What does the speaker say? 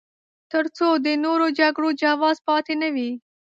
تر څو د نورو جګړو جواز پاتې نه وي.